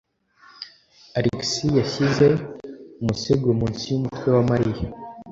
Alex yashyize umusego munsi yumutwe wa Mariya.